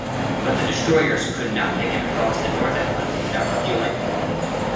But the destroyers could not make it across the North Atlantic without refueling.